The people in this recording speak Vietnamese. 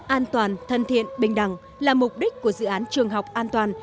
an toàn thân thiện bình đẳng là mục đích của dự án trường học an toàn